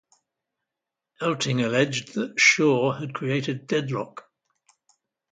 Elting alleged that Shawe had created deadlock.